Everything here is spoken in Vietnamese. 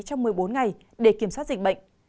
trong một mươi bốn ngày để kiểm soát dịch bệnh